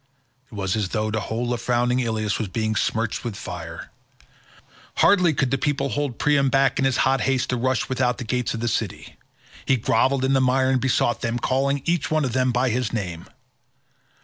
It was as though the whole of frowning Ilius was being smirched with fire. Hardly could the people hold Priam back in his hot haste to rush without the gates of the city. He grovelled in the mire and besought them, calling each one of them by his name.